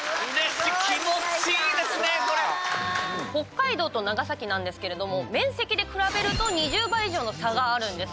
北海道と長崎なんですけれども面積で比べると２０倍以上の差があるんです。